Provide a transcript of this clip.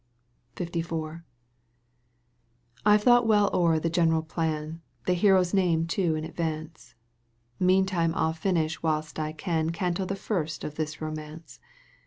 LIV. IVe thought well o'er the general plan, The hero's name too in advance, Meantime I'll finish whilst I can Canto the First of this romance.